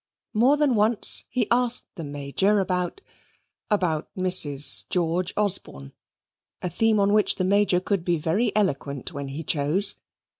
More than once he asked the Major about about Mrs. George Osborne a theme on which the Major could be very eloquent when he chose.